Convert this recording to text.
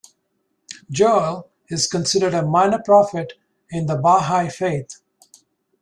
Joel is considered a minor prophet in the Baha'i Faith.